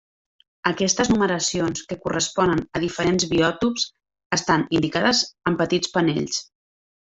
Aquestes numeracions que corresponen a diferents biòtops estan indicades en petits panells.